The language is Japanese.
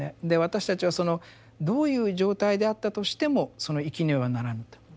で私たちはそのどういう状態であったとしてもその生きねばならぬと。